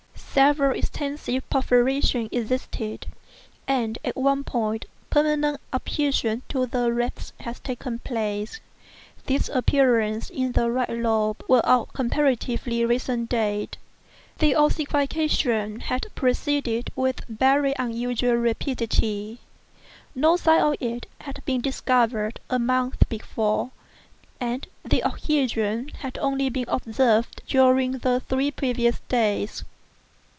Several extensive perforations existed; and, at one point, permanent adhesion to the ribs had taken place. These appearances in the right lobe were of comparatively recent date. The ossification had proceeded with very unusual rapidity; no sign of it had been discovered a month before, and the adhesion had only been observed during the three previous days.